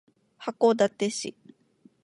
函館市